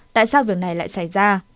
tại sao việc này lại xảy ra